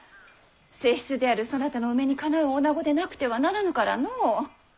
正室であるそなたのお目にかなうおなごでなくてはならぬからのう。